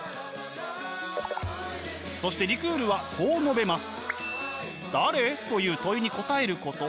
そしてリクールはこう述べます。